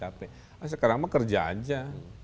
capek sekarang mekerja saja